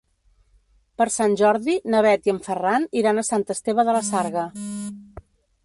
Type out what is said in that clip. Per Sant Jordi na Bet i en Ferran iran a Sant Esteve de la Sarga.